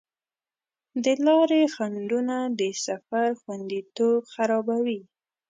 د لارې خنډونه د سفر خوندیتوب خرابوي.